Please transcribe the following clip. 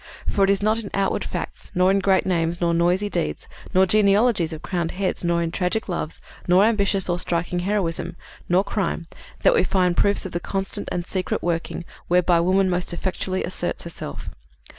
For it is not in outward facts, nor great names, nor noisy deeds, nor genealogies of crowned heads, nor in tragic loves, nor ambitious or striking heroism, nor crime, that we find proofs of the constant and secret working whereby woman most effectually asserts herself.